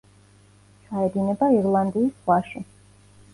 ჩაედინება ირლანდიის ზღვაში.